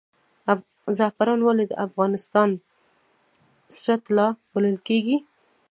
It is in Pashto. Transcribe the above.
زعفران ولې د افغانستان سره طلا بلل کیږي؟